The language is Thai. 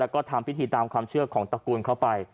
ก็ทำพิธีตามความเชื่อของตระกูลเข้าไป